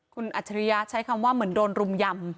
คุณอัจฉริยะใช้คำว่าเหมือนโดนรุมยำ